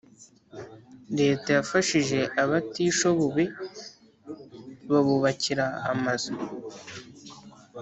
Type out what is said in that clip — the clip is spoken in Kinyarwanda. Leta yafashije abatishobobe babubakira amazu